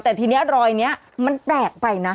แต่ทีนี้รอยนี้มันแปลกไปนะ